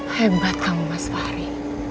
hebat kamu mas fahri